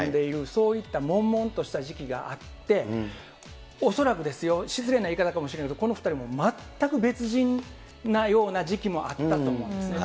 そういったもんもんとした時期があって、おそらくですよ、失礼な言い方かもしれないですけど、この２人、もう全く別人のような時期もあったと思うんですね。